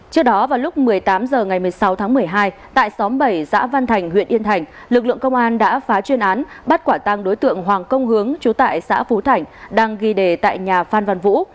trước đó vào lúc một mươi tám h ngày một mươi sáu tháng một mươi hai tại xóm bảy xã văn thành huyện yên thành lực lượng công an đã phá chuyên án bắt quả tăng đối tượng hoàng công hướng chú tại xã phú thành đang ghi đề tại nhà phan văn vũ